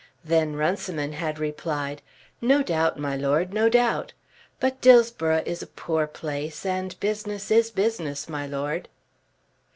Then Runciman had replied, "No doubt, my Lord; no doubt. But Dillsborough is a poor place, and business is business, my Lord."